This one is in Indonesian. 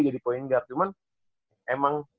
jadi point guard cuman emang